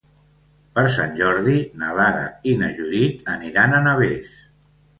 Per Sant Jordi na Lara i na Judit aniran a Navès.